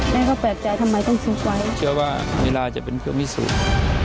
แม่เขาแปลกใจทำไมต้องซุกไว้เชื่อว่าเวลาจะเป็นเกี่ยวมิสุทธิ์